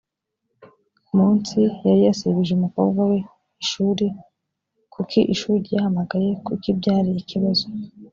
munsi yari yasibije umukobwa we ishuri kuki ishuri ryahamagaye kuki byari ikibazo